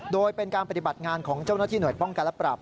โดยเป็นการปฏิบัติงานของเจ้าหน้าที่หน่วยป้องกันและปรับ